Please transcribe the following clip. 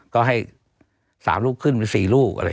ก็ให้๓ลูกขึ้นเป็น๔ลูกอะไร